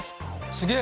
すげえ！